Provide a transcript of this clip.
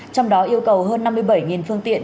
trong đó yêu cầu hơn năm mươi bảy phương tiện